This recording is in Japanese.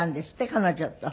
彼女と。